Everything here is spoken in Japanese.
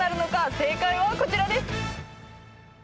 正解はこちらです。